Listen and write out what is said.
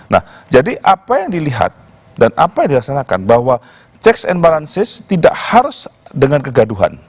nah jadi apa yang dilihat dan apa yang dilaksanakan bahwa checks and balances tidak harus dengan kegaduhan